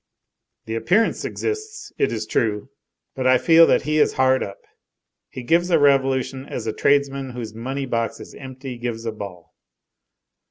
The appearance exists, it is true, but I feel that he is hard up. He gives a revolution as a tradesman whose money box is empty gives a ball.